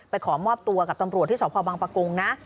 ขอมอบตัวกับตำรวจที่สพบังปะกงนะ